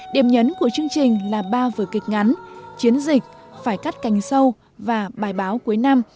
điểm nhấn của chương trình là ba vừa kịch ngắn chiến dịch phải cắt cành sâu và bài báo cuối năm